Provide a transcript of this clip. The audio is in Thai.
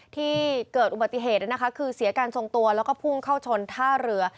ที่เกิดอุบัติเหตุคือเสียการทรงตัวแล้วก็พุ่งเข้าชนท่าเรือ